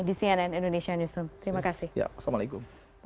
di cnn indonesian newsroom terima kasih